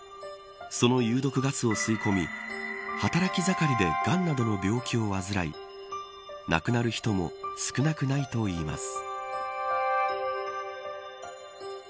その有毒ガスを吸い込み働き盛りでがんなどの病気を患い亡くなる人も少なくないといいます。